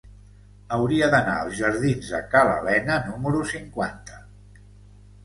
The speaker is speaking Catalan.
Hauria d'anar als jardins de Ca l'Alena número cinquanta.